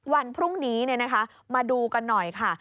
วันพรุ่งนี้มาดูกันหน่อยค่ะ